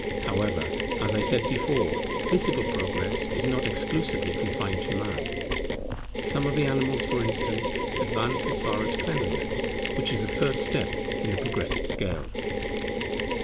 However, as I said before, physical progress is not exclusively confined to Man. Some of the animals, for instance, advance as far as cleanliness, which is the first step in the progressive scale.